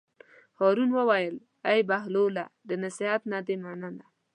هارون وویل: ای بهلوله د نصیحت نه دې مننه.